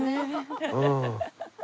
うん。